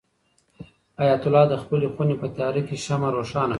حیات الله د خپلې خونې په تیاره کې شمع روښانه کړه.